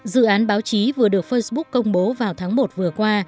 dự án báo chí vừa được facebook công bố vào tháng một vừa qua